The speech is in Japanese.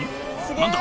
何だ？